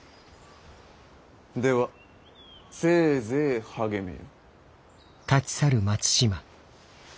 ではせいぜい励めよ。